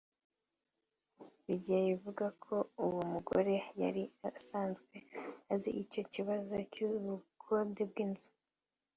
Bigeye ivuga ko uwo mugore yari asanzwe azi icyo kibazo cy’ubukode bw’inzu